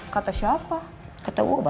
kok gak ada